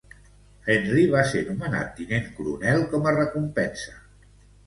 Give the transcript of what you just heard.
Henry va ser nomenat tinent coronel com a recompensa.